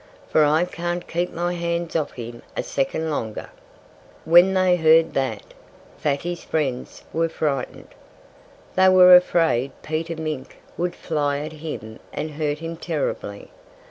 For I can't keep my hands off him a second longer!" When they heard that, Fatty's friends were frightened. They were afraid Peter Mink would fly at him and hurt him terribly.